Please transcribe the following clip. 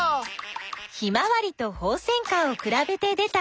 ヒマワリとホウセンカをくらべて出たふしぎ。